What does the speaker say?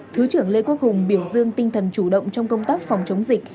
thứ trưởng lê quốc hùng biểu dương tinh thần chủ động trong công tác phòng chống dịch